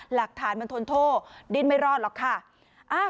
หลักฐานมันทนโทษดิ้นไม่รอดหรอกค่ะ